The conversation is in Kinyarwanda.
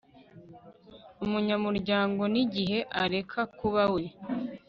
umunyamuryango n igihe areka kuba we